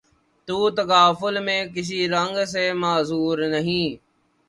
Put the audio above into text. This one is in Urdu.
تو تغافل میں کسی رنگ سے معذور نہیں